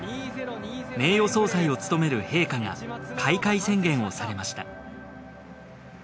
名誉総裁を務める陛下が開会宣言をされました